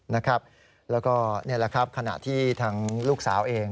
แล้วก็นี่แหละครับขณะที่ทางลูกสาวเอง